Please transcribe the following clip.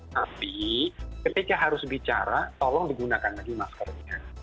tapi ketika harus bicara tolong digunakan lagi maskernya